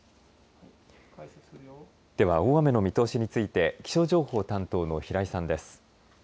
では、大雨の見通しについて気象情報担当の平井さんです。